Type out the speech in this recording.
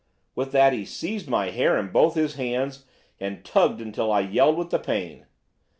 With that he seized my hair in both his hands, and tugged until I yelled with the pain.